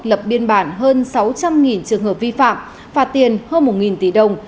lập biên bản hơn sáu trăm linh trường hợp vi phạm phạt tiền hơn một tỷ đồng